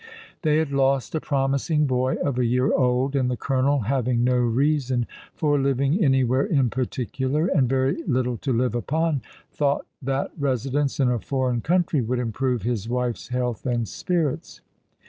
They had lost a promising boy of a year old, and the colonel, having no reason for living anywhere in particular, and very little to live upon, thought that residence in a foreign country would improve his wife's health and spirits.